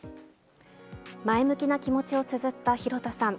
前向きな気持ちをつづった広田さん。